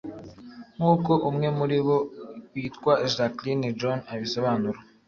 nkuko umwe muri bo witwa Jakline John abisobanura